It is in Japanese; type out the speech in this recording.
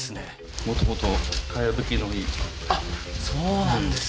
うんあっそうなんですね